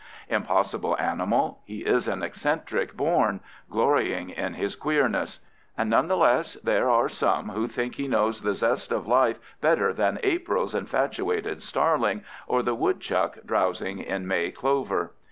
Impossible animal, he is an eccentric born, glorying in his queerness; and none the less, there are some who think he knows the zest of life better than April's infatuated starling or the woodchuck drowsing in May clover.